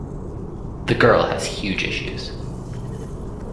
The girl has huge issues.